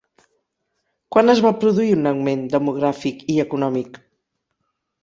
Quan es va produir un augment demogràfic i econòmic?